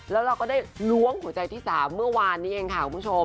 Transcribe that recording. แล้วเราก็ได้ล้วงหัวใจที่๓เมื่อวานนี้เองค่ะคุณผู้ชม